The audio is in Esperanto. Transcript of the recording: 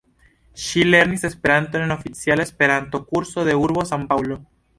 Ŝi lernis Esperanton en oficiala Esperanto-Kurso de urbo San-Paŭlo.